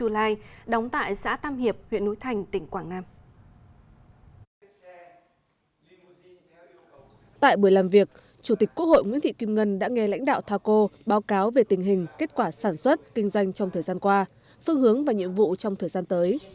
lắng nghe lãnh đạo thao cô báo cáo về tình hình kết quả sản xuất kinh doanh trong thời gian qua phương hướng và nhiệm vụ trong thời gian tới